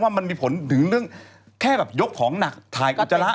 เพราะว่ามันมีผลถึงเรื่องแค่แบบยกของหนักถ่ายกลิ่นจระ